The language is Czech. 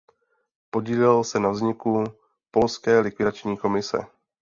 Podílel se na vzniku Polské likvidační komise.